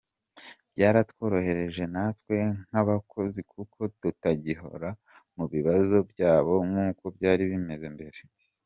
Byaratworohereje natwe nk’abakozi kuko tutagihora mu bibazo byabo nk’uko byari bimeze mbere”.